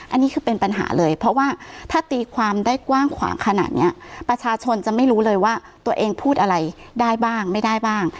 อันนี้คือเป็นปัญหาเลยเพราะว่าถ้าตีความได้กว้างขวางขนาดเนี้ยประชาชนจะไม่รู้เลยว่าตัวเองพูดอะไรได้บ้างไม่ได้บ้าง